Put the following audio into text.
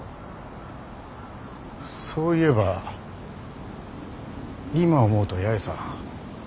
そういえば今思うと八重さん